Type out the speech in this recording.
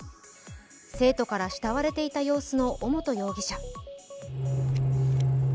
生徒から慕われていた様子の尾本容疑者。